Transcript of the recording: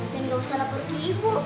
dan gak usah lapar ke ibu